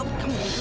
lepaskan aku aksan